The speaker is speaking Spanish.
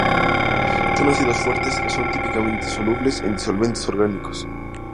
Son ácidos fuertes que son típicamente solubles en disolventes orgánicos.